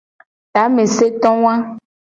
Tameseto wa.